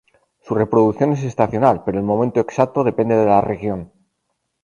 Su reproducción es estacional, pero el momento exacto depende de la región.